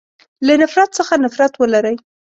له نفرت څخه نفرت ولری.